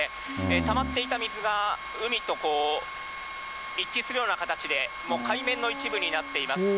たまっていた水が、海とこう、一致するような形で、もう海面の一部になっています。